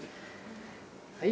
はい。